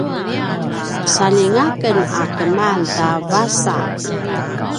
saljinga ken a keman ta vasa